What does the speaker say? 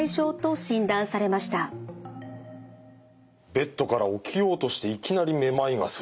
ベッドから起きようとしていきなりめまいがする。